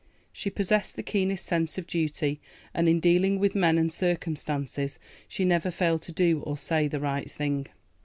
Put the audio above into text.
She possessed the keenest sense of duty, and in dealing with men and circumstances she never failed to do or say the right thing.